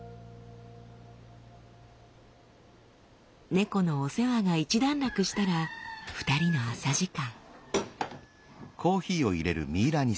猫のお世話が一段落したら２人の朝時間。